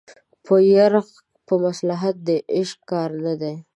په يرغ په مصلحت د عشق کار نه دی